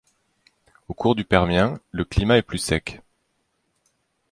Au cours du Permien, le climat est plus sec.